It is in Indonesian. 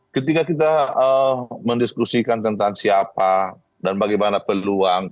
ketika kita mendiskusikan tentang siapa dan bagaimana peluang